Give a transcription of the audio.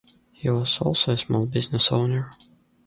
He was also a small business owner.